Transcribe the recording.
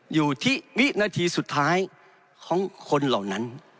อยู่ที่วินาทีสุดท้ายของคนเหล่านั้น